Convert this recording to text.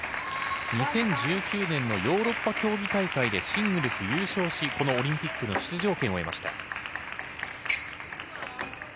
２０１９年のヨーロッパ競技大会でシングルス優勝しこのオリンピックの出場権を得ました。